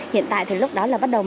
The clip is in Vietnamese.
hiện tại thì lúc đó là bắt đầu